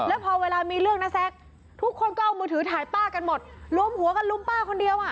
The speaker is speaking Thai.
แล้วพอเวลามีเรื่องนะแซ็กทุกคนก็เอามือถือถ่ายป้ากันหมดรวมหัวกันลุมป้าคนเดียวอ่ะ